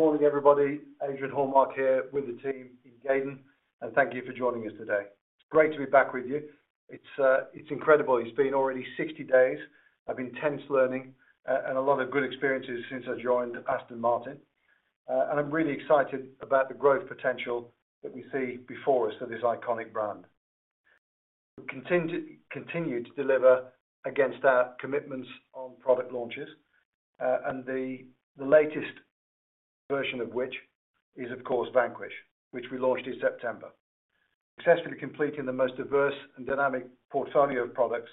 Good morning, everybody. Adrian Hallmark here with the team in Gaydon, and thank you for joining us today. It's great to be back with you. It's incredible. It's been already 60 days. I've been intense learning and a lot of good experiences since I joined Aston Martin, and I'm really excited about the growth potential that we see before us for this iconic brand. We continue to deliver against our commitments on product launches, and the latest version of which is, of course, Vanquish, which we launched in September, successfully completing the most diverse and dynamic portfolio of products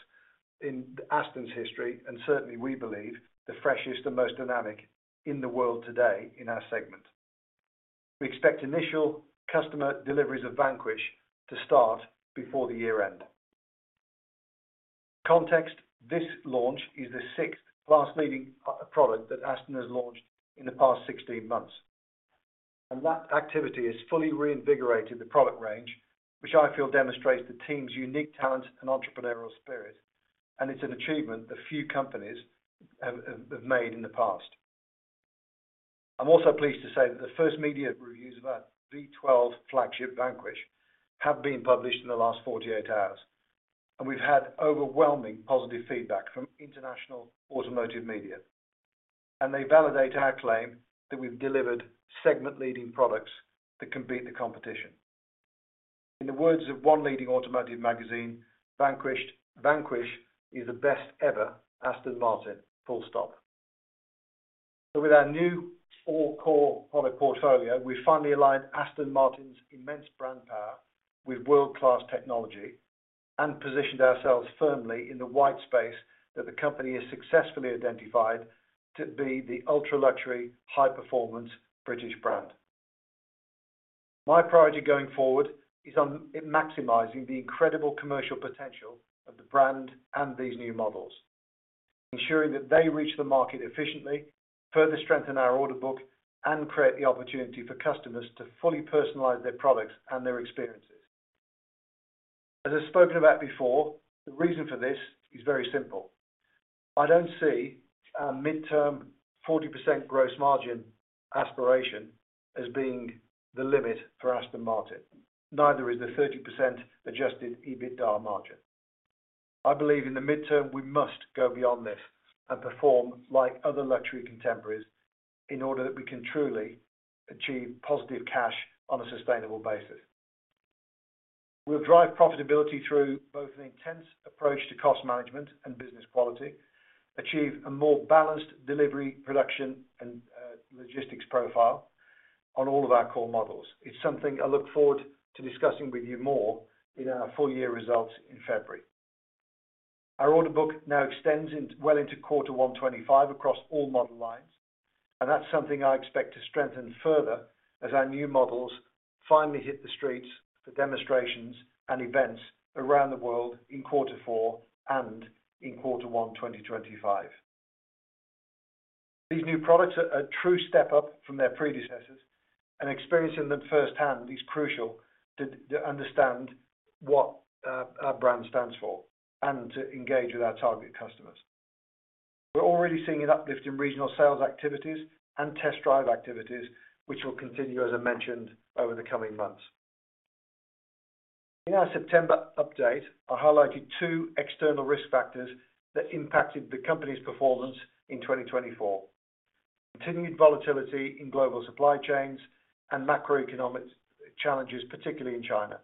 in Aston's history, and certainly we believe the freshest and most dynamic in the world today in our segment. We expect initial customer deliveries of Vanquish to start before the year-end. Context: this launch is the sixth class-leading product that Aston has launched in the past 16 months. And that activity has fully reinvigorated the product range, which I feel demonstrates the team's unique talent and entrepreneurial spirit. And it's an achievement that few companies have made in the past. I'm also pleased to say that the first media reviews of our V12 flagship Vanquish have been published in the last 48 hours. And we've had overwhelming positive feedback from international automotive media. And they validate our claim that we've delivered segment-leading products that can beat the competition. In the words of one leading automotive magazine, Vanquish is the best ever Aston Martin. So with our new all-core product portfolio, we've finally aligned Aston Martin's immense brand power with world-class technology and positioned ourselves firmly in the white space that the company has successfully identified to be the ultra-luxury, high-performance British brand. My priority going forward is on maximizing the incredible commercial potential of the brand and these new models, ensuring that they reach the market efficiently, further strengthen our order book, and create the opportunity for customers to fully personalize their products and their experiences. As I've spoken about before, the reason for this is very simple. I don't see our midterm 40% gross margin aspiration as being the limit for Aston Martin. Neither is the 30% adjusted EBITDA margin. I believe in the midterm we must go beyond this and perform like other luxury contemporaries in order that we can truly achieve positive cash on a sustainable basis. We'll drive profitability through both an intense approach to cost management and business quality, achieve a more balanced delivery, production, and logistics profile on all of our core models. It's something I look forward to discussing with you more in our full-year results in February. Our order book now extends well into quarter one 25 across all model lines. And that's something I expect to strengthen further as our new models finally hit the streets for demonstrations and events around the world in quarter four and in quarter one 2025. These new products are a true step up from their predecessors. And experiencing them firsthand is crucial to understand what our brand stands for and to engage with our target customers. We're already seeing an uplift in regional sales activities and test drive activities, which will continue, as I mentioned, over the coming months. In our September update, I highlighted two external risk factors that impacted the company's performance in 2024: continued volatility in global supply chains and macroeconomic challenges, particularly in China,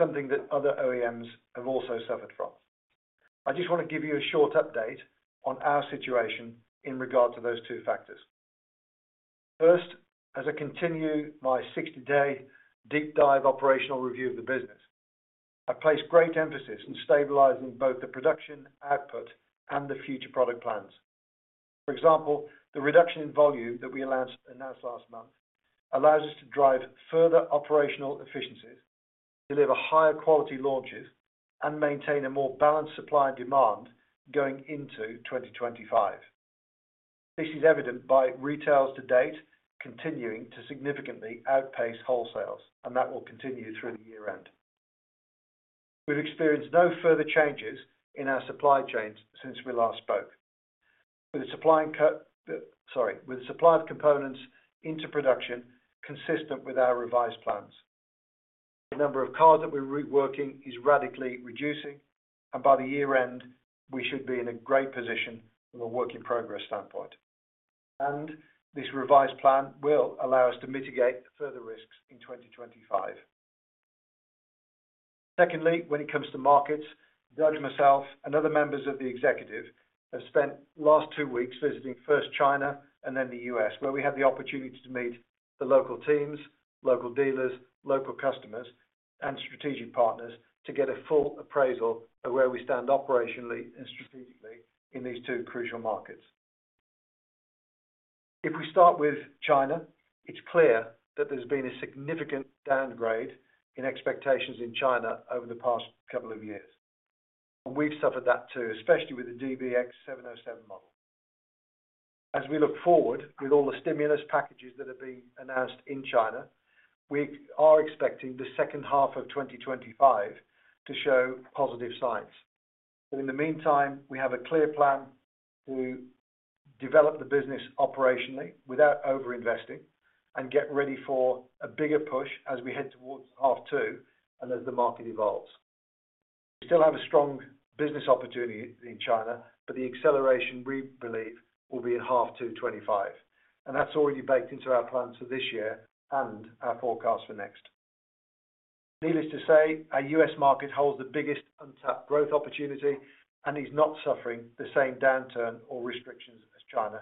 something that other OEMs have also suffered from. I just want to give you a short update on our situation in regard to those two factors. First, as I continue my 60-day deep-dive operational review of the business, I place great emphasis on stabilizing both the production output and the future product plans. For example, the reduction in volume that we announced last month allows us to drive further operational efficiencies, deliver higher quality launches, and maintain a more balanced supply and demand going into 2025. This is evident by retails to date continuing to significantly outpace wholesales, and that will continue through the year-end. We've experienced no further changes in our supply chains since we last spoke, with the supply of components into production consistent with our revised plans. The number of cars that we're reworking is radically reducing, and by the year-end, we should be in a great position from a work-in-progress standpoint, and this revised plan will allow us to mitigate further risks in 2025. Secondly, when it comes to markets, Doug, myself, and other members of the executive have spent the last two weeks visiting first China and then the US, where we had the opportunity to meet the local teams, local dealers, local customers, and strategic partners to get a full appraisal of where we stand operationally and strategically in these two crucial markets. If we start with China, it's clear that there's been a significant downgrade in expectations in China over the past couple of years. We've suffered that too, especially with the DBX 707 model. As we look forward with all the stimulus packages that have been announced in China, we are expecting the second half of 2025 to show positive signs. But in the meantime, we have a clear plan to develop the business operationally without over-investing and get ready for a bigger push as we head towards half two and as the market evolves. We still have a strong business opportunity in China, but the acceleration we believe will be in half two 25. That's already baked into our plans for this year and our forecast for next. Needless to say, our US market holds the biggest untapped growth opportunity, and it's not suffering the same downturn or restrictions as China.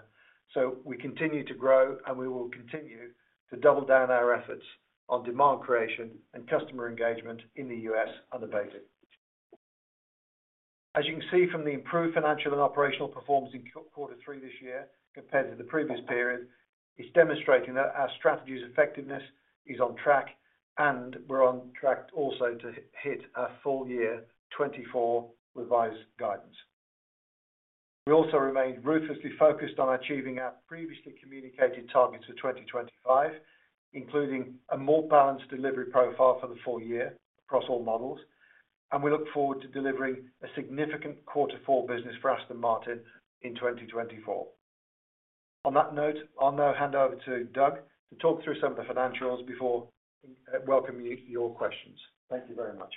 So we continue to grow, and we will continue to double down our efforts on demand creation and customer engagement in the U.S. and the Baltics. As you can see from the improved financial and operational performance in quarter three this year compared to the previous period, it's demonstrating that our strategy's effectiveness is on track, and we're on track also to hit our full-year 2024 revised guidance. We also remain ruthlessly focused on achieving our previously communicated targets for 2025, including a more balanced delivery profile for the full year across all models. And we look forward to delivering a significant quarter four business for Aston Martin in 2024. On that note, I'll now hand over to Doug to talk through some of the financials before welcoming you to your questions. Thank you very much.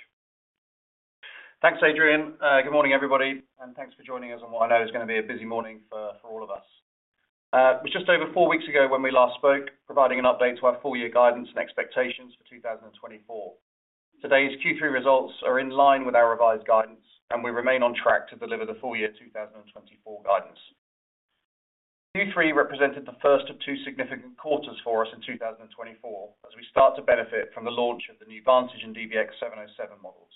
Thanks, Adrian. Good morning, everybody. And thanks for joining us on what I know is going to be a busy morning for all of us. It was just over four weeks ago when we last spoke, providing an update to our full-year guidance and expectations for 2024. Today's Q3 results are in line with our revised guidance, and we remain on track to deliver the full-year 2024 guidance. Q3 represented the first of two significant quarters for us in 2024 as we start to benefit from the launch of the new Vantage and DBX 707 models.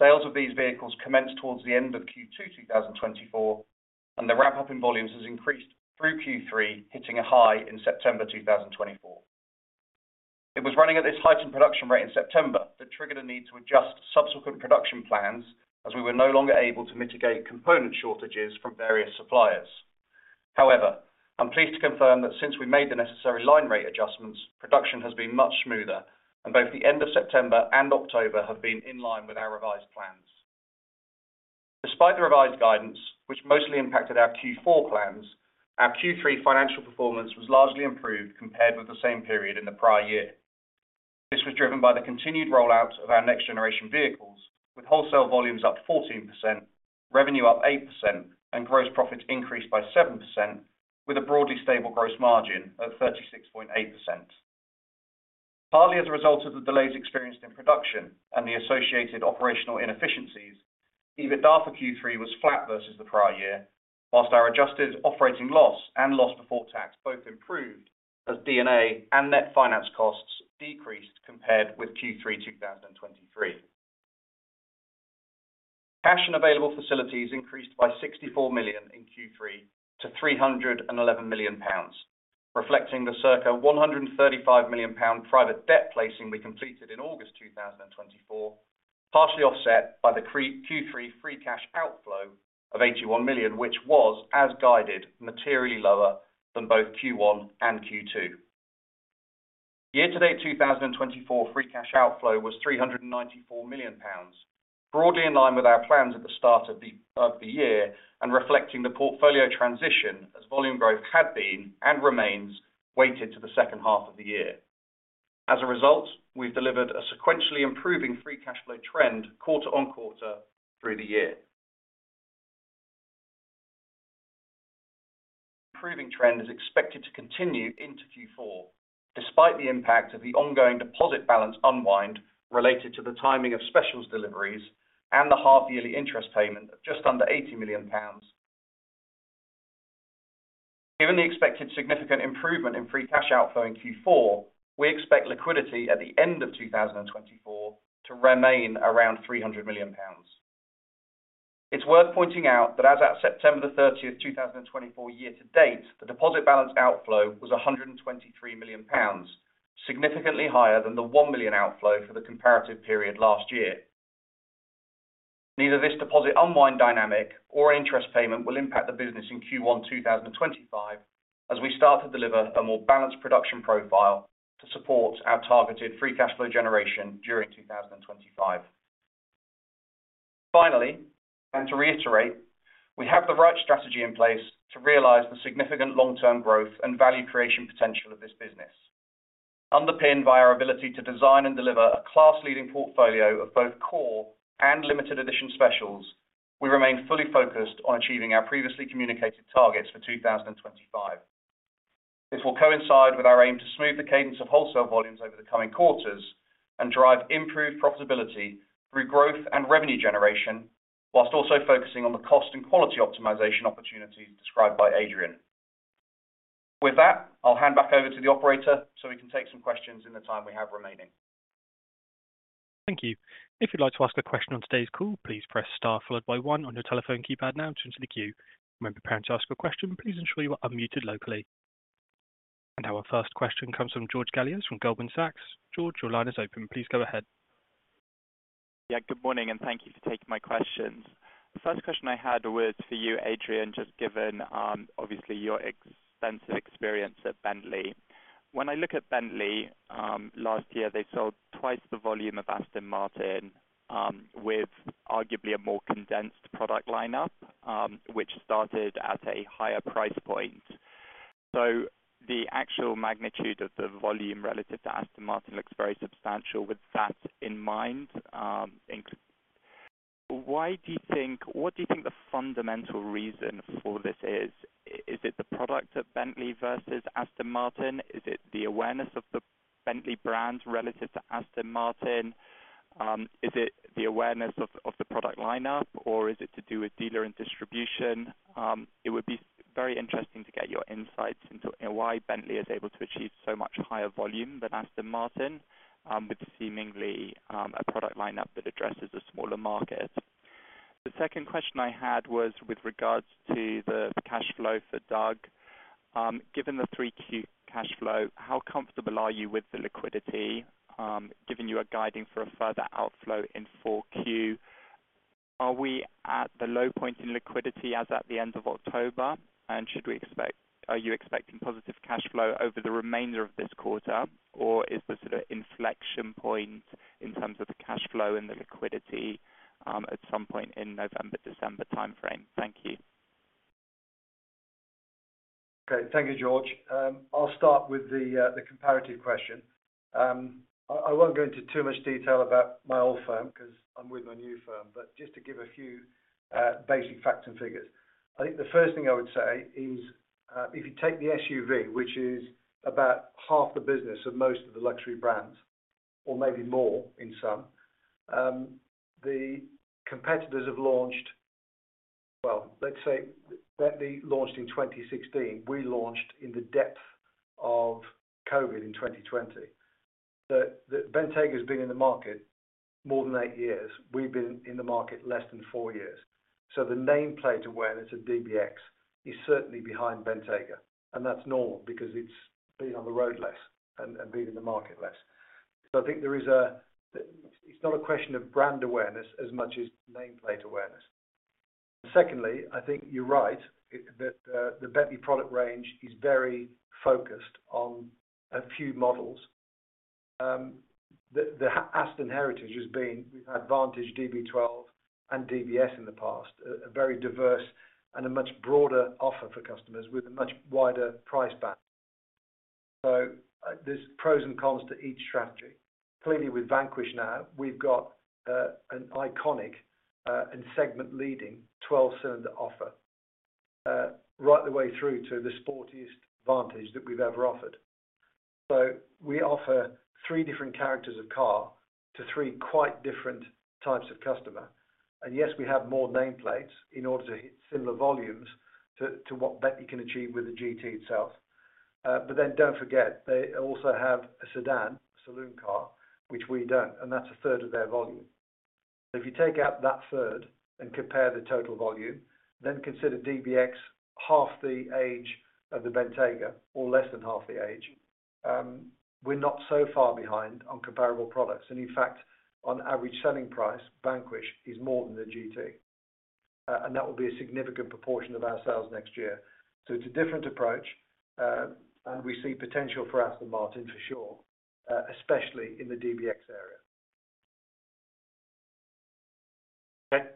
Sales of these vehicles commenced towards the end of Q2 2024, and the ramp-up in volumes has increased through Q3, hitting a high in September 2024. It was running at this heightened production rate in September that triggered a need to adjust subsequent production plans as we were no longer able to mitigate component shortages from various suppliers. However, I'm pleased to confirm that since we made the necessary line rate adjustments, production has been much smoother, and both the end of September and October have been in line with our revised plans. Despite the revised guidance, which mostly impacted our Q4 plans, our Q3 financial performance was largely improved compared with the same period in the prior year. This was driven by the continued rollout of our next-generation vehicles, with wholesale volumes up 14%, revenue up 8%, and gross profits increased by 7%, with a broadly stable gross margin at 36.8%. Partly as a result of the delays experienced in production and the associated operational inefficiencies, EBITDA for Q3 was flat versus the prior year, while our adjusted operating loss and loss before tax both improved as D&A and net finance costs decreased compared with Q3 2023. Cash and available facilities increased by £64 million in Q3 to £311 million, reflecting the circa £135 million private debt placing we completed in August 2024, partially offset by the Q3 free cash outflow of £81 million, which was, as guided, materially lower than both Q1 and Q2. Year-to-date 2024 free cash outflow was £394 million, broadly in line with our plans at the start of the year and reflecting the portfolio transition as volume growth had been and remains weighted to the second half of the year. As a result, we've delivered a sequentially improving free cash flow trend quarter on quarter through the year. The improving trend is expected to continue into Q4, despite the impact of the ongoing deposit balance unwind related to the timing of specials deliveries and the half-yearly interest payment of just under 80 million pounds. Given the expected significant improvement in free cash outflow in Q4, we expect liquidity at the end of 2024 to remain around 300 million pounds. It's worth pointing out that as of September 30, 2024 year-to-date, the deposit balance outflow was 123 million pounds, significantly higher than the 1 million outflow for the comparative period last year. Neither this deposit unwind dynamic or interest payment will impact the business in Q1 2025 as we start to deliver a more balanced production profile to support our targeted free cash flow generation during 2025. Finally, and to reiterate, we have the right strategy in place to realize the significant long-term growth and value creation potential of this business. Underpinned by our ability to design and deliver a class-leading portfolio of both core and limited-edition specials, we remain fully focused on achieving our previously communicated targets for 2025. This will coincide with our aim to smooth the cadence of wholesale volumes over the coming quarters and drive improved profitability through growth and revenue generation, whilst also focusing on the cost and quality optimization opportunities described by Adrian. With that, I'll hand back over to the operator so we can take some questions in the time we have remaining. Thank you. If you'd like to ask a question on today's call, please press star followed by one on your telephone keypad now to enter the queue. When preparing to ask a question, please ensure you are unmuted locally. Our first question comes from George Galliers from Goldman Sachs. George, your line is open. Please go ahead. Yeah, good morning, and thank you for taking my questions. The first question I had was for you, Adrian, just given obviously your extensive experience at Bentley. When I look at Bentley, last year they sold twice the volume of Aston Martin with arguably a more condensed product lineup, which started at a higher price point. So the actual magnitude of the volume relative to Aston Martin looks very substantial with that in mind. What do you think the fundamental reason for this is? Is it the product at Bentley versus Aston Martin? Is it the awareness of the Bentley brand relative to Aston Martin? Is it the awareness of the product lineup, or is it to do with dealer and distribution? It would be very interesting to get your insights into why Bentley is able to achieve so much higher volume than Aston Martin with seemingly a product lineup that addresses a smaller market. The second question I had was with regards to the cash flow for Doug. Given the Q3 cash flow, how comfortable are you with the liquidity, given your guidance for a further outflow in Q4? Are we at the low point in liquidity as at the end of October? And are you expecting positive cash flow over the remainder of this quarter, or is there sort of inflection point in terms of the cash flow and the liquidity at some point in November, December timeframe? Thank you. Okay, thank you, George. I'll start with the comparative question. I won't go into too much detail about my old firm because I'm with my new firm, but just to give a few basic facts and figures. I think the first thing I would say is if you take the SUV, which is about half the business of most of the luxury brands, or maybe more in some, the competitors have launched, well, let's say Bentley launched in 2016. We launched in the depth of COVID in 2020. Bentayga has been in the market more than eight years. We've been in the market less than four years. So the nameplate awareness of DBX is certainly behind Bentayga. And that's normal because it's been on the road less and been in the market less. So I think there is. It's not a question of brand awareness as much as nameplate awareness. Secondly, I think you're right that the Bentley product range is very focused on a few models. The Aston heritage has been. We've had Vantage, DB12, and DBS in the past, a very diverse and a much broader offer for customers with a much wider price band. There's pros and cons to each strategy. Clearly, with Vanquish now, we've got an iconic and segment-leading 12-cylinder offer right the way through to the sportiest Vantage that we've ever offered. We offer three different characters of car to three quite different types of customer. Yes, we have more nameplates in order to hit similar volumes to what Bentley can achieve with the GT itself. Then don't forget, they also have a sedan, a saloon car, which we don't, and that's a third of their volume. If you take out that third and compare the total volume, then consider DBX half the age of the Bentayga or less than half the age, we're not so far behind on comparable products. And in fact, on average selling price, Vanquish is more than the GT. And that will be a significant proportion of our sales next year. So it's a different approach, and we see potential for Aston Martin for sure, especially in the DBX area. Okay.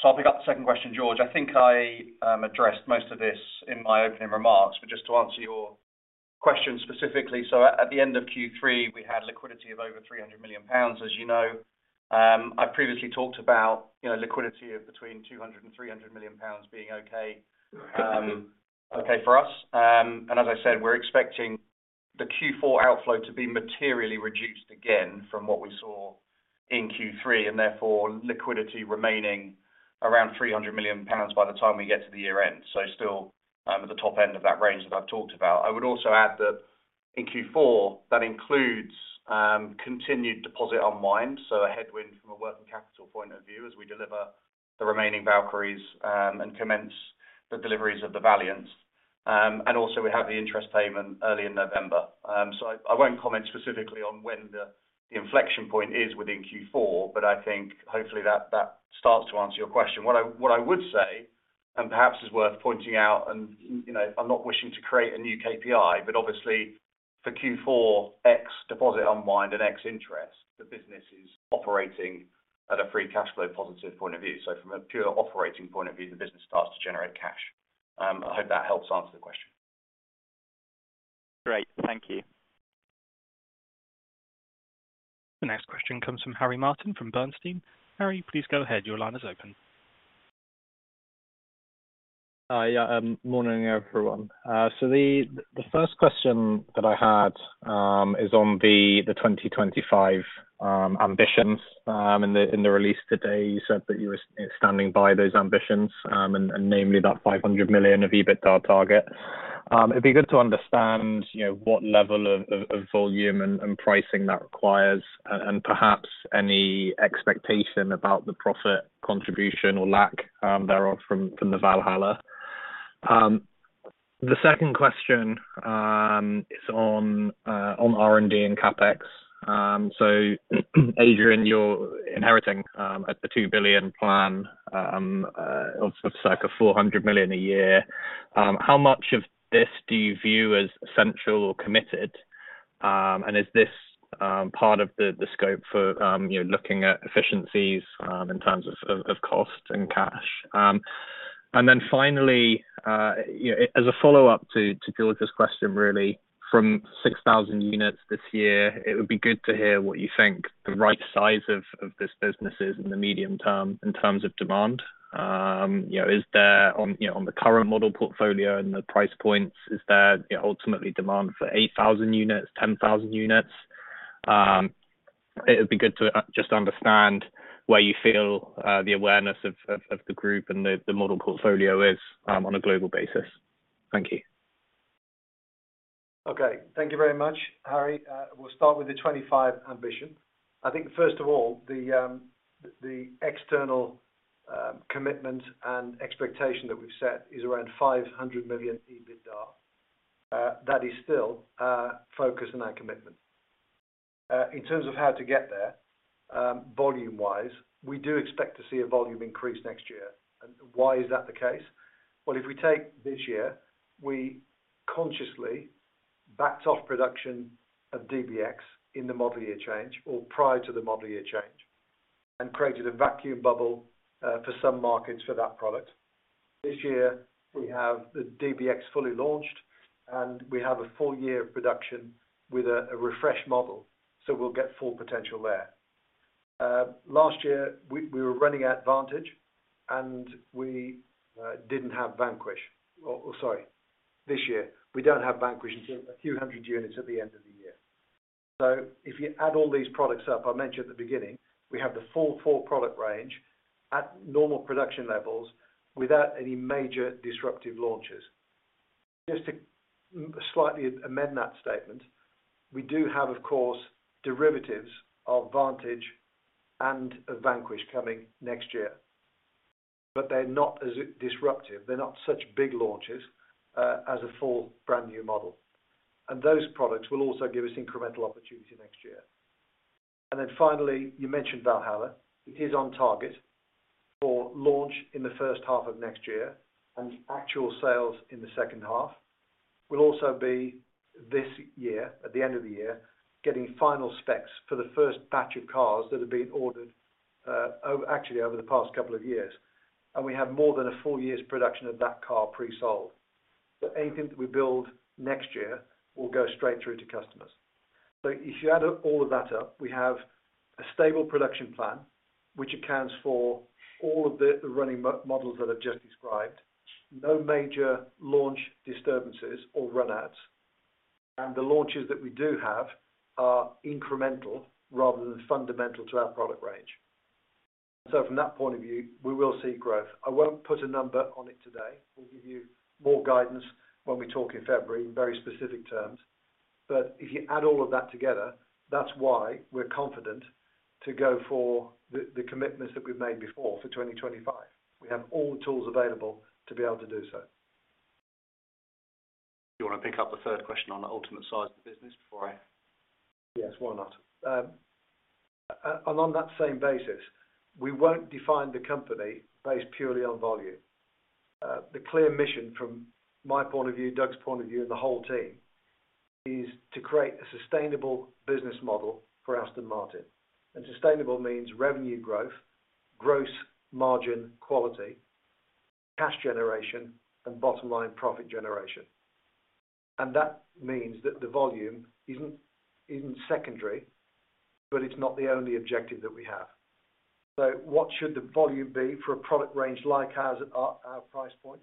So I'll pick up the second question, George. I think I addressed most of this in my opening remarks, but just to answer your question specifically, so at the end of Q3, we had liquidity of over 300 million pounds, as you know. I've previously talked about liquidity of between 200 and 300 million pounds being okay for us. And as I said, we're expecting the Q4 outflow to be materially reduced again from what we saw in Q3, and therefore liquidity remaining around 300 million pounds by the time we get to the year-end, so still at the top end of that range that I've talked about. I would also add that in Q4, that includes continued deposit unwind, so a headwind from a working capital point of view as we deliver the remaining Valkyries and commence the deliveries of the Valiants. And also, we have the interest payment early in November. So I won't comment specifically on when the inflection point is within Q4, but I think hopefully that starts to answer your question. What I would say, and perhaps is worth pointing out, and I'm not wishing to create a new KPI, but obviously for Q4, ex-deposit unwind and ex-interest, the business is operating at a free cash flow positive point of view. So from a pure operating point of view, the business starts to generate cash. I hope that helps answer the question. Great. Thank you. The next question comes from Harry Martin from Bernstein. Harry, please go ahead. Your line is open. Hi. Good morning, everyone. The first question that I had is on the 2025 ambitions. In the release today, you said that you were standing by those ambitions, and namely that 500 million of EBITDA target. It'd be good to understand what level of volume and pricing that requires, and perhaps any expectation about the profit contribution or lack thereof from the Valhalla. The second question is on R&D and CapEx. Adrian, you're inheriting a 2 billion plan of circa 400 million a year. How much of this do you view as essential or committed? And is this part of the scope for looking at efficiencies in terms of cost and cash? And then finally, as a follow-up to George's question, really, from 6,000 units this year, it would be good to hear what you think the right size of this business is in the medium term in terms of demand. Is there on the current model portfolio and the price points, is there ultimately demand for 8,000 units, 10,000 units? It would be good to just understand where you feel the awareness of the group and the model portfolio is on a global basis. Thank you. Okay. Thank you very much, Harry. We'll start with the 25 ambition. I think first of all, the external commitment and expectation that we've set is around 500 million EBITDA. That is still focus and our commitment. In terms of how to get there, volume-wise, we do expect to see a volume increase next year. And why is that the case? Well, if we take this year, we consciously backed off production of DBX in the model year change or prior to the model year change and created a vacuum bubble for some markets for that product. This year, we have the DBX fully launched, and we have a full year of production with a refreshed model, so we'll get full potential there. Last year, we were running at Vantage, and we didn't have Vanquish. Sorry. This year, we don't have Vanquish until a few hundred units at the end of the year. So if you add all these products up, I mentioned at the beginning, we have the full four-product range at normal production levels without any major disruptive launches. Just to slightly amend that statement, we do have, of course, derivatives of Vantage and of Vanquish coming next year, but they're not as disruptive. They're not such big launches as a full brand new model, and those products will also give us incremental opportunity next year, and then finally, you mentioned Valhalla. It is on target for launch in the first half of next year and actual sales in the second half. We'll also be this year, at the end of the year, getting final specs for the first batch of cars that have been ordered, actually, over the past couple of years. We have more than a full year's production of that car pre-sold. But anything that we build next year will go straight through to customers. So if you add all of that up, we have a stable production plan, which accounts for all of the running models that I've just described, no major launch disturbances or run-outs. And the launches that we do have are incremental rather than fundamental to our product range. And so from that point of view, we will see growth. I won't put a number on it today. We'll give you more guidance when we talk in February in very specific terms. But if you add all of that together, that's why we're confident to go for the commitments that we've made before for 2025. We have all the tools available to be able to do so. Do you want to pick up the third question on the ultimate size of the business before I? Yes, why not, and on that same basis, we won't define the company based purely on volume. The clear mission from my point of view, Doug's point of view, and the whole team is to create a sustainable business model for Aston Martin. Sustainable means revenue growth, gross margin quality, cash generation, and bottom line profit generation, and that means that the volume isn't secondary, but it's not the only objective that we have, so what should the volume be for a product range like our price point?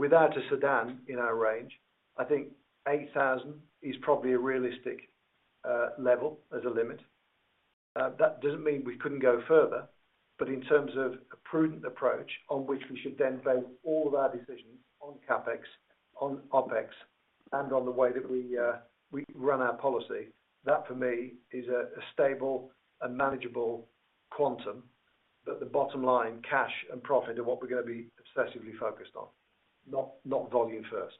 Without a sedan in our range, I think 8,000 is probably a realistic level as a limit. That doesn't mean we couldn't go further, but in terms of a prudent approach on which we should then base all of our decisions on CapEx, on OpEx, and on the way that we run our policy, that for me is a stable and manageable quantum, but the bottom line cash and profit are what we're going to be obsessively focused on, not volume first.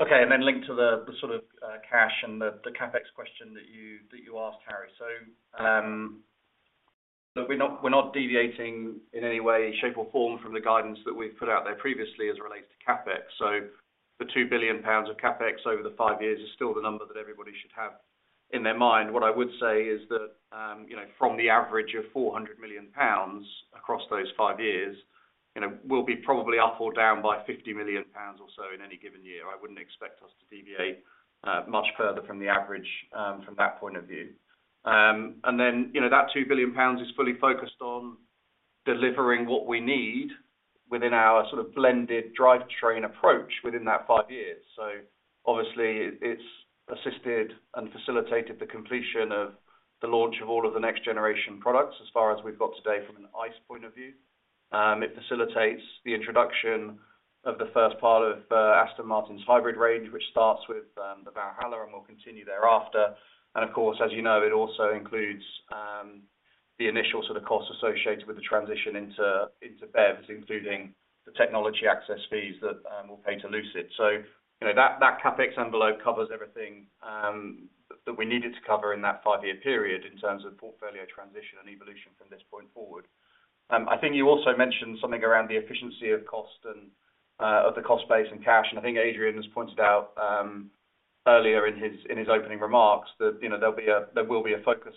Okay. And then linked to the sort of cash and the CapEx question that you asked, Harry. So we're not deviating in any way, shape, or form from the guidance that we've put out there previously as it relates to CapEx. So the 2 billion pounds of CapEx over the five years is still the number that everybody should have in their mind. What I would say is that from the average of 400 million pounds across those five years, we'll be probably up or down by 50 million pounds or so in any given year. I wouldn't expect us to deviate much further from the average from that point of view. And then that 2 billion pounds is fully focused on delivering what we need within our sort of blended drivetrain approach within that five years. So obviously, it's assisted and facilitated the completion of the launch of all of the next generation products as far as we've got today from an ICE point of view. It facilitates the introduction of the first part of Aston Martin's hybrid range, which starts with the Valhalla and will continue thereafter. And of course, as you know, it also includes the initial sort of costs associated with the transition into BEVs, including the technology access fees that we'll pay to Lucid. So that CapEx envelope covers everything that we needed to cover in that five-year period in terms of portfolio transition and evolution from this point forward. I think you also mentioned something around the efficiency of cost and of the cost base and cash. And I think Adrian has pointed out earlier in his opening remarks that there will be a focus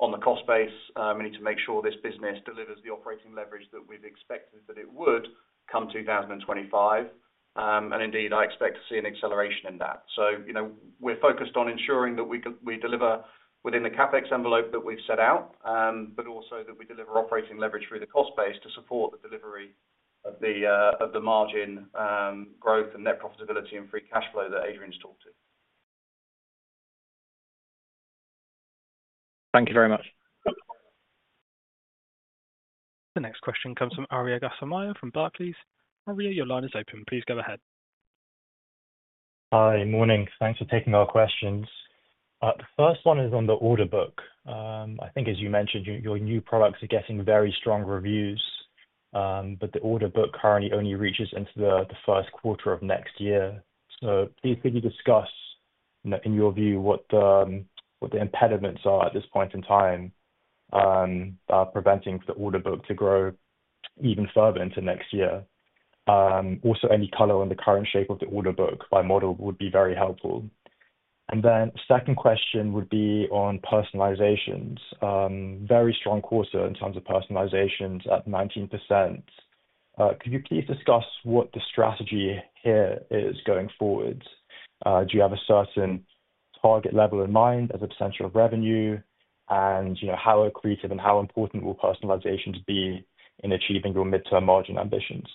on the cost base. We need to make sure this business delivers the operating leverage that we've expected that it would come 2025, and indeed, I expect to see an acceleration in that, so we're focused on ensuring that we deliver within the CapEx envelope that we've set out, but also that we deliver operating leverage through the cost base to support the delivery of the margin growth and net profitability and free cash flow that Adrian's talked to. Thank you very much. The next question comes from Arya Ghassemieh from Barclays. Arya, your line is open. Please go ahead. Hi. Morning. Thanks for taking our questions. The first one is on the order book. I think, as you mentioned, your new products are getting very strong reviews, but the order book currently only reaches into the first quarter of next year. So please could you discuss, in your view, what the impediments are at this point in time that are preventing the order book to grow even further into next year? Also, any color on the current shape of the order book by model would be very helpful. And then the second question would be on personalizations. Very strong quarter in terms of personalizations at 19%. Could you please discuss what the strategy here is going forward? Do you have a certain target level in mind as a potential revenue, and how accretive and how important will personalizations be in achieving your mid-term margin ambitions?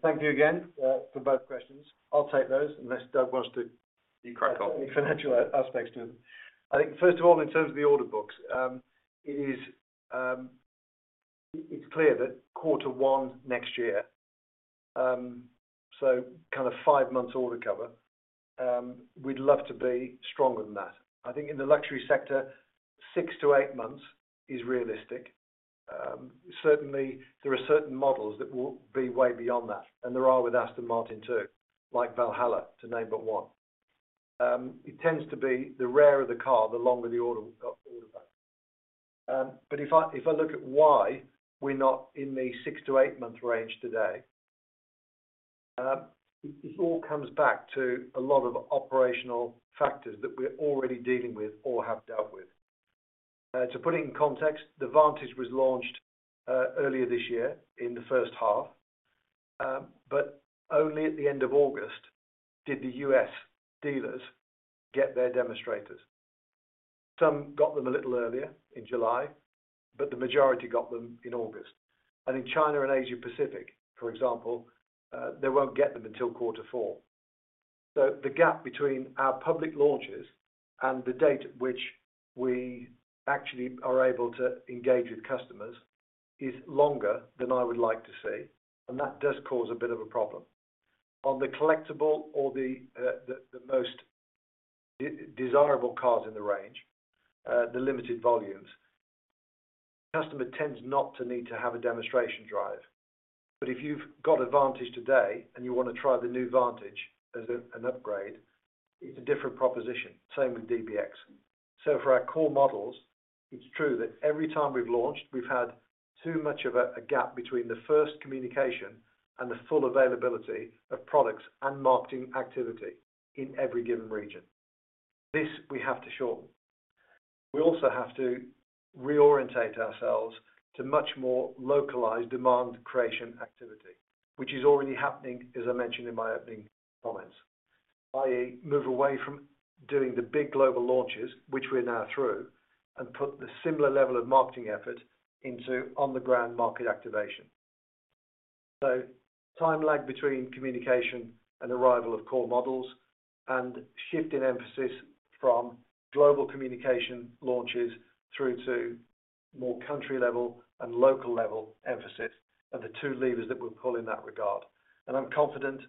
Thank you again for both questions. I'll take those unless Doug wants to add any financial aspects to them. I think, first of all, in terms of the order books, it's clear that quarter one next year, so kind of five months order cover, we'd love to be stronger than that. I think in the luxury sector, six to eight months is realistic. Certainly, there are certain models that will be way beyond that, and there are with Aston Martin too, like Valhalla, to name but one. It tends to be the rarer the car, the longer the order book. But if I look at why we're not in the six to eight-month range today, it all comes back to a lot of operational factors that we're already dealing with or have dealt with. To put it in context, the Vantage was launched earlier this year in the first half, but only at the end of August did the U.S. dealers get their demonstrators. Some got them a little earlier in July, but the majority got them in August, and in China and Asia-Pacific, for example, they won't get them until quarter four, so the gap between our public launches and the date at which we actually are able to engage with customers is longer than I would like to see, and that does cause a bit of a problem. On the collectible or the most desirable cars in the range, the limited volumes, a customer tends not to need to have a demonstration drive, but if you've got a Vantage today and you want to try the new Vantage as an upgrade, it's a different proposition. Same with DBX. So for our core models, it's true that every time we've launched, we've had too much of a gap between the first communication and the full availability of products and marketing activity in every given region. This we have to shorten. We also have to reorient ourselves to much more localized demand creation activity, which is already happening, as I mentioned in my opening comments, i.e., move away from doing the big global launches, which we're now through, and put the similar level of marketing effort into on-the-ground market activation. So time lag between communication and arrival of core models and shift in emphasis from global communication launches through to more country-level and local-level emphasis are the two levers that we'll pull in that regard. I'm confident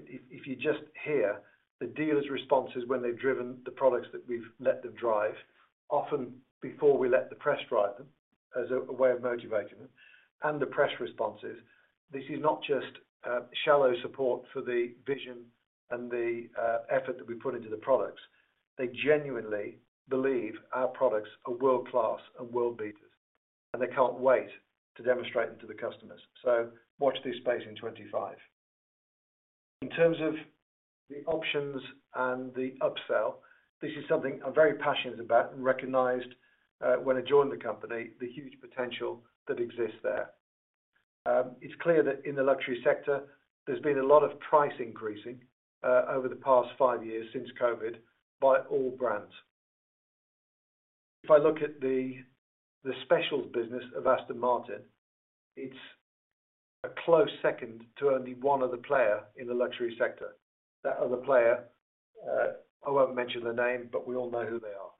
if you just hear the dealers' responses when they've driven the products that we've let them drive, often before we let the press drive them as a way of motivating them, and the press responses. This is not just shallow support for the vision and the effort that we've put into the products. They genuinely believe our products are world-class and world beaters, and they can't wait to demonstrate them to the customers, so watch this space in 2025. In terms of the options and the upsell, this is something I'm very passionate about and recognized when I joined the company, the huge potential that exists there. It's clear that in the luxury sector, there's been a lot of price increasing over the past five years since COVID by all brands. If I look at the specials business of Aston Martin, it's a close second to only one other player in the luxury sector. That other player, I won't mention their name, but we all know who they are,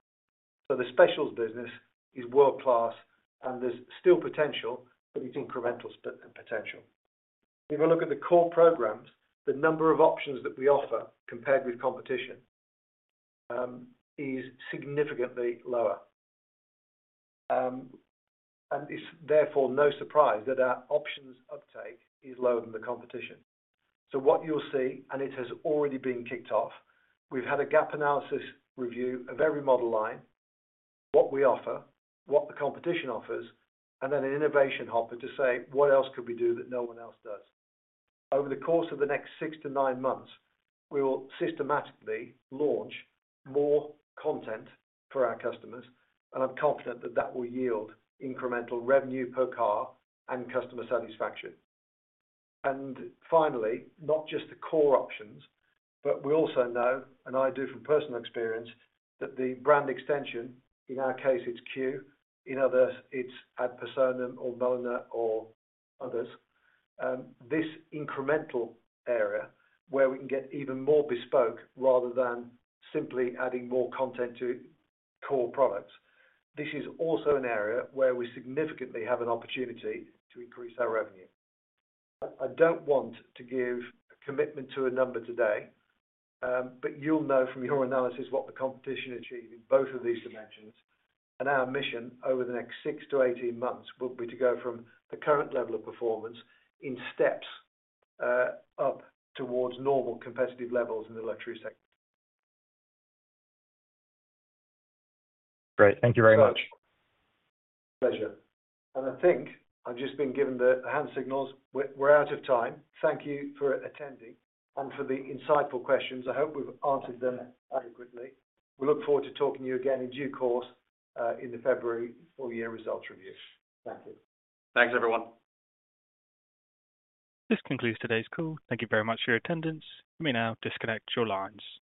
so the specials business is world-class, and there's still potential, but it's incremental potential. If we look at the core programs, the number of options that we offer compared with competition is significantly lower, and it's therefore no surprise that our options uptake is lower than the competition. So what you'll see, and it has already been kicked off. We've had a gap analysis review of every model line, what we offer, what the competition offers, and then an innovation hopper to say, "What else could we do that no one else does?" Over the course of the next six to nine months, we will systematically launch more content for our customers, and I'm confident that that will yield incremental revenue per car and customer satisfaction. And finally, not just the core options, but we also know, and I do from personal experience, that the brand extension, in our case, it's Q. In others, it's Ad Personam or Mulliner or others. This incremental area where we can get even more bespoke rather than simply adding more content to core products, this is also an area where we significantly have an opportunity to increase our revenue. I don't want to give a commitment to a number today, but you'll know from your analysis what the competition achieved in both of these dimensions. And our mission over the next six to eighteen months will be to go from the current level of performance in steps up towards normal competitive levels in the luxury sector. Great. Thank you very much. My pleasure. And I think I've just been given the hand signals. We're out of time. Thank you for attending and for the insightful questions. I hope we've answered them adequately. We look forward to talking to you again in due course in the February full-year results review. Thank you. Thanks, everyone. This concludes today's call. Thank you very much for your attendance. You may now disconnect your lines.